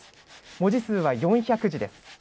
文字数は４００字です。